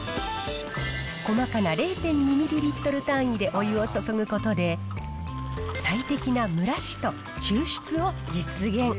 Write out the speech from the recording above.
細かな０．２ミリリットル単位でお湯を注ぐことで、最適な蒸らしと抽出を実現。